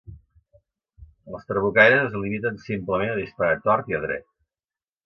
Els trabucaires es limiten simplement a disparar a tort i a dret.